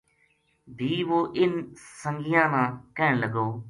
بھی وہ اِنھ سنگیاں نا کہن لگو